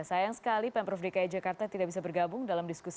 sayang sekali pemprov dki jakarta tidak bisa bergabung dalam diskusi